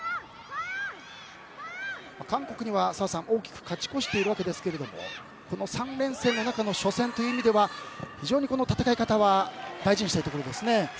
韓国には澤さん大きく勝ち越しているわけですがこの３連戦の中の初戦という意味では非常にこの戦い方は大事にしたいところですね。